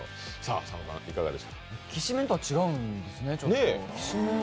きしめんとは違うんですね。